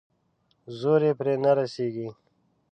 زور يې پرې نه رسېږي.